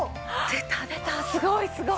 出た出たすごいすごい！